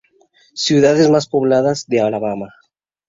Ciudades más pobladas de Alabama.